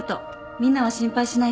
みんなは心配しないで。